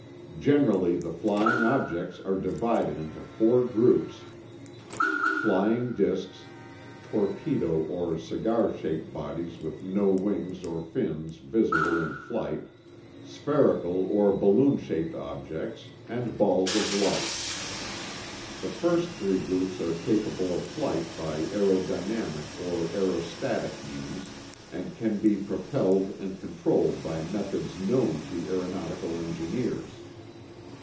Generally, the flying objects are divided into four groups: Flying disks, torpedo or cigar shaped bodies with no wings or fins visible in flight, spherical or balloon shaped objects and balls of light. The first three groups are capable of flight by aerodynamic or aerostatic means and can be propelled and controlled by methods known to aeronautical engineers.